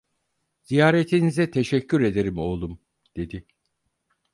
Ziyaretinize teşekkür ederim oğlum! dedi.